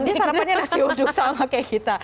sarapannya nasi uduk sama kayak kita